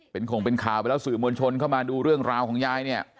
เป็นข่งเป็นข่าวไปแล้วสื่อมวลชนเข้ามาดูเรื่องราวของยายเนี่ย